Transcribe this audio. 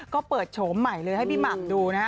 ก็เปิดโฉมใหม่เลยให้พี่หม่ำดูนะฮะ